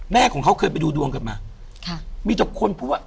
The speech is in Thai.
แม่ของเขาเคยไปดูดวงกันมาค่ะมีแต่คนพูดว่า